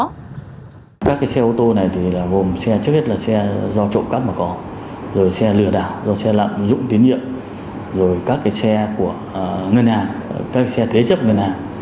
các xe ô tô này gồm xe trước hết là xe do trộm cắp mà có rồi xe lừa đảo xe lạm dụng tín nhiệm rồi các xe của ngân hàng các xe thế chấp ngân hàng